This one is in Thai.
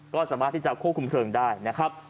ก็สามารถที่จะควบคุมเพลิงได้นะครับ